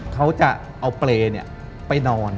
เขาจะเอาเปรย์ไปนอน